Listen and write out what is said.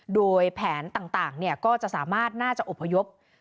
โดยแผนต่างต่างเนี้ยก็จะสามารถน่าจะอพยพ